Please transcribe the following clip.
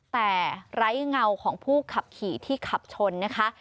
แต่ไร้เงาของผู้ขับขี่ที่ขับชนนะคะ